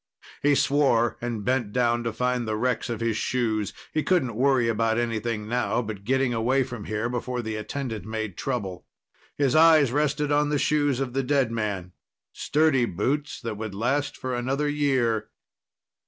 He swore and bent down to find the wrecks of his shoes. He couldn't worry about anything now but getting away from here before the attendant made trouble. His eyes rested on the shoes of the dead man sturdy boots that would last for another year.